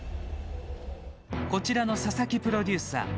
こちらの佐々木プロデューサー。